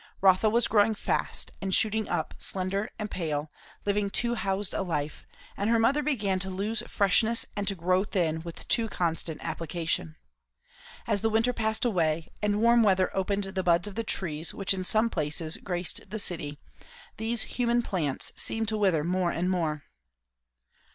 Rotha was growing fast, and shooting up slender and pale, living too housed a life; and her mother began to lose freshness and to grow thin with too constant application. As the winter passed away, and warm weather opened the buds of the trees which in some places graced the city, these human plants seemed to wither more and more.